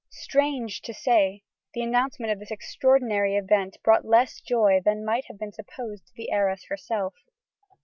Strange to say, the announcement of this extraordinary event brought less joy than might have been supposed to the heiress herself.